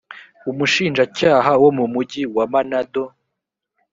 umushinjacyaha wo mu mugi wa manado